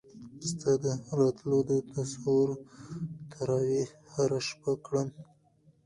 ستا د راتلو د تصور تراوېح هره شپه کړم